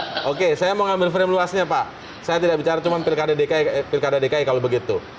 jadi kemarin pas saya mengambil frame luasnya pak saya tidak bicara cuma pilkada dki kalau begitu